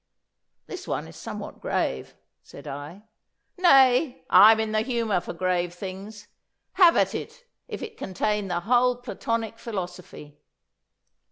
'This one is somewhat grave,' said I. 'Nay, I am in the humour for grave things. Have at it, if it contain the whole Platonic philosophy.